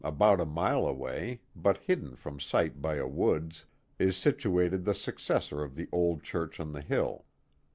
about a mile away, but hidden from sight by a woods, is situated the successor of the old church on the hill.